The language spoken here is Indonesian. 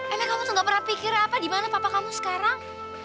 emang kamu tuh gak pernah pikir apa gimana papa kamu sekarang